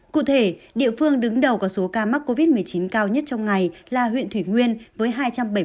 cụ thể địa phương đứng đầu có số ca mắc covid một mươi chín cao nhất trong ngày là huyện thủy nguyên với hai trăm bảy mươi ca